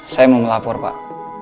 saya mau melapor pak